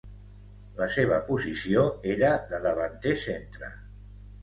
La seva posició era de davanter centre.